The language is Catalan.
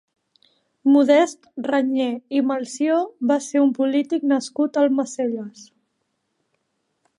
Modest Reñé i Melcior va ser un polític nascut a Almacelles.